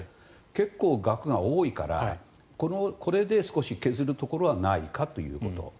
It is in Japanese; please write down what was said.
結構額が多いから、これで少し削るところはないかということ。